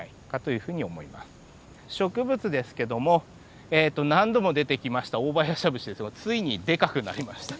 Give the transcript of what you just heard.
植物ですけども何度も出てきましたオオバヤシャブシですがついにでかくなりました。